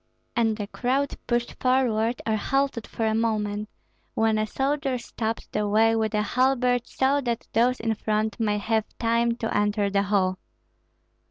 And the crowd pushed forward or halted for a moment, when a soldier stopped the way with a halbert so that those in front might have time to enter the hall.